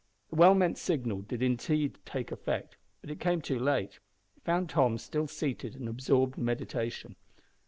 The well meant signal did indeed take effect, but it came too late. It found Tom still seated in absorbed meditation.